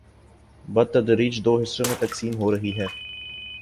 ، بتدریج دو حصوں میں تقسیم ہورہی ہی۔